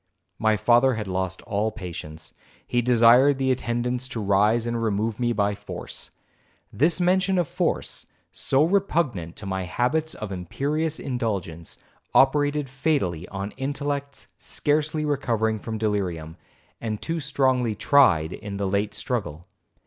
My father had lost all patience; he desired the attendants to raise and remove me by force. This mention of force, so repugnant to my habits of imperious indulgence, operated fatally on intellects scarcely recovering from delirium, and too strongly tried in the late struggle.